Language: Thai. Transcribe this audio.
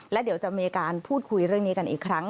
และเดี๋ยวจะมีการพูดคุยเรื่องนี้กันอีกครั้ง